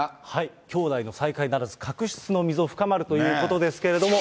兄弟の再会ならず、確執の溝深まるということですけれども。